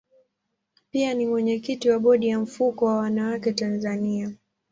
Pia ni mwenyekiti wa bodi ya mfuko wa wanawake Tanzania.